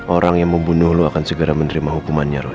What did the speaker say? orang yang membunuh lo akan segera menerima hukumannya